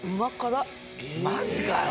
マジかよ。